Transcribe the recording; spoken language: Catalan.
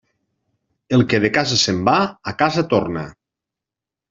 El que de casa se'n va, a casa torna.